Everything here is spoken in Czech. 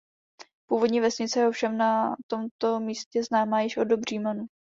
Původní vesnice je ovšem na tomto místě známa již od dob Římanů.